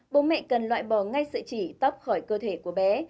bố mẹ cần loại bỏ ngay sự chỉ tóc khỏi cơ thể của bé